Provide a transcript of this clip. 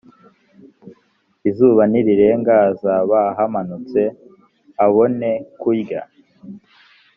izuba nirirenga azaba ahumanutse abone kurya